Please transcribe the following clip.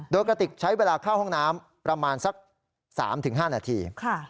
โดยกระติกใช้เวลาเข้าห้องน้ำประมาณสัก๓๕นาที